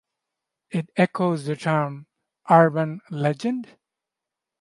It echoes the term "urban legend".